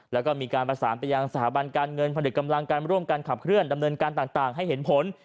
แล้วก็มีการประสานไปยังสถาบันการเงินผลิตกำลังการร่วมกันขับเคลื่อนดำเนินการต่างให้เห็นผล